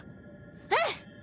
うん！